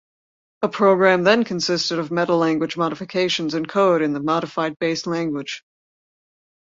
A program then consisted of meta-language modifications and code in the modified base language.